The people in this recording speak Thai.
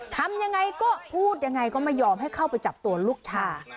ทำยังไงก็พูดยังไงก็ไม่ยอมให้เข้าไปจับตัวลูกชาย